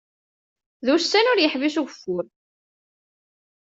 D ussan ur yeḥbis ugeffur.